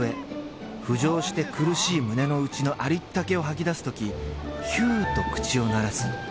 浮上して苦しい胸の内のありったけを吐き出すときヒューと口を鳴らす。